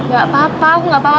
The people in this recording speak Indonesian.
gak apa apa aku gak apa apa